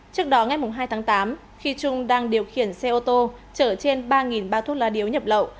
trước đó ngay mùng hai tháng tám khi trung đang điều khiển xe ô tô trở trên ba bát thuốc lá điếu nhập lậu